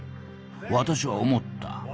私は思った。